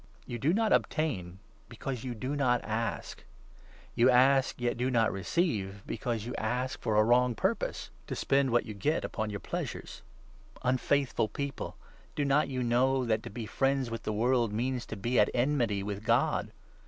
You do not obtain, because you do not ask. You ask, yet do not 3 receive, because you ask for a wrong purpose — to spend what '•> Gen. i. 36. JAMES, 4 5. 279 you get upon your pleasures. Unfaithful people ! Do not 4 you know that to be friends with the world means to be at enmity with God